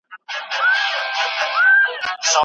د معلولینو بیا رغونه څنګه کیږي؟